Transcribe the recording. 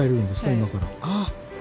今から。